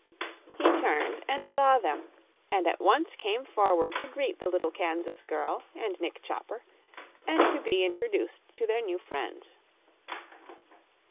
He turned and saw them, and at once came forward to greet the little Kansas girl and Nick Chopper, and to be introduced to their new friends.